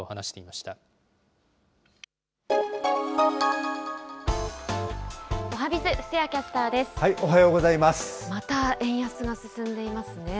また円安が進んでいますね。